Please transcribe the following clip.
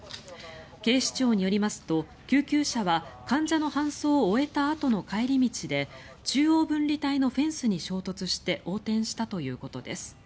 警視庁によりますと、救急車は患者の搬送を終えたあとの帰り道で中央分離帯のフェンスに衝突して横転したということです。